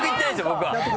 僕は。